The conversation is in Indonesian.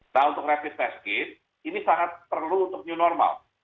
nah untuk rapid test kit ini sangat perlu untuk new normal